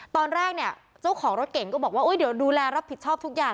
ตอนแรกเนี่ยเจ้าของรถเก่งก็บอกว่าเดี๋ยวดูแลรับผิดชอบทุกอย่าง